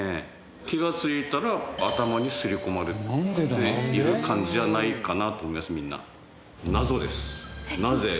気がついたら頭に刷り込まれている感じじゃないかなと思いますみんな。